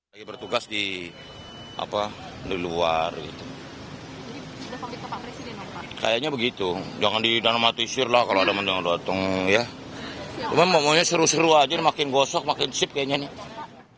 menkomunikasi menteri pertahanan jokowi maruf dengan para menteri pertahanan sekaligus ketum golkar erlangga hartarto dan menkumham yasona lauli yang sama sama berasal dari pd perjuangan tidak hadir